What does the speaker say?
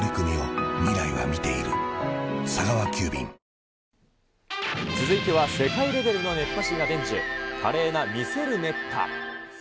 過去最大の補助金も続いては、世界レベルの熱波師が伝授、華麗な魅せる熱波。